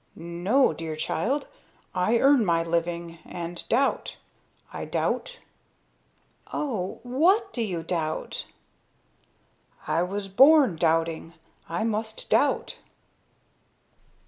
"No, dear child. I earn my living, and doubt. I doubt." "Oh! What do you doubt?" "I was born doubting. I must doubt."